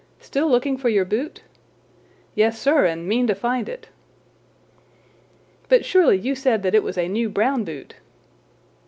"Still looking for your boot?" "Yes, sir, and mean to find it." "But, surely, you said that it was a new brown boot?"